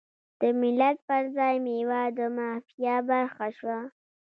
د ملت پر ځای میوه د مافیا برخه شوه.